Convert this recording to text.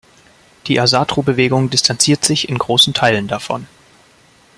Die Asatru-Bewegung distanziert sich in großen Teilen davon.